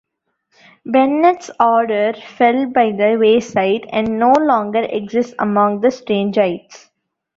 Bennett's "order" fell by the wayside and no longer exists among the Strangites.